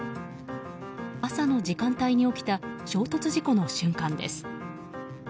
朝の時間帯に起きた衝突事故の瞬間です。